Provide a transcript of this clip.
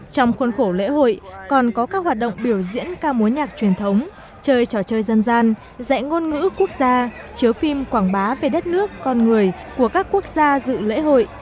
trong khuôn khổ lễ hội còn có các hoạt động biểu diễn ca mối nhạc truyền thống chơi trò chơi dân gian dạy ngôn ngữ quốc gia chiếu phim quảng bá về đất nước con người của các quốc gia dự lễ hội